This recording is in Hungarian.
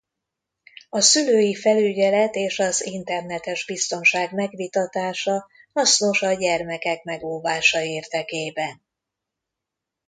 A szülői felügyelet és az internetes biztonság megvitatása hasznos a gyermekek megóvása érdekében.